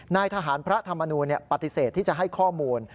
นายทหารพระธรรมนูลปฏิเสธที่จะให้ข้อมูล